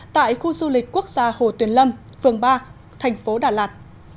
tại khu du lịch quốc gia hồ tuyền lâm phường ba tp đà lạt